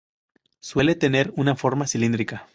Suele tener una forma cilíndrica.